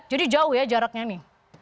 jadi jauh ya jaraknya ini